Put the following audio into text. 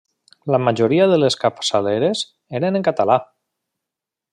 La majoria de les capçaleres eren en català.